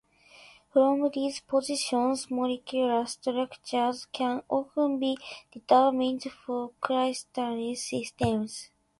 From these positions molecular structures can often be determined for crystallized systems.